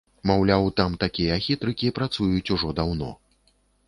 Маўляў, там такія хітрыкі працуюць ужо даўно.